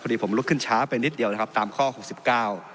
ดีผมลุกขึ้นช้าไปนิดเดียวนะครับตามข้อหกสิบเก้า